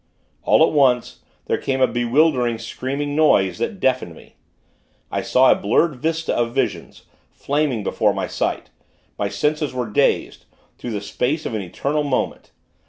All at once, there came a bewildering, screaming noise, that deafened me. I saw a blurred vista of visions, flaming before my sight. My senses were dazed, through the space of an eternal moment.